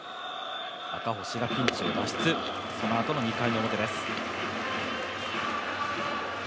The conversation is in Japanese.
赤星がピンチを脱出、そのあとの２回の表です。